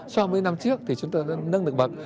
so với năm trước thì chúng ta đã nâng được bậc